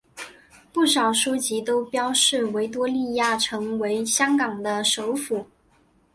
不少书籍都标示维多利亚城为香港的首府。